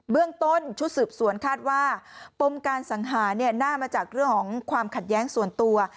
เรื่องต้นชุดสืบสวนคาดว่าปมการสังหาร่ามาจากเรื่องของความขัดแย้งส่วนตัว